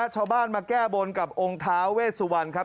ชาวบ้านมาแก้บนกับองค์ท้าเวสวรรณครับ